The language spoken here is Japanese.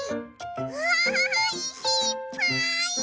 うわいしいっぱい！